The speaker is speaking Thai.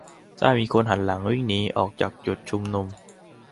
ถ้ามีคนหันหลังวิ่งหนีออกจากจุดชุมนุม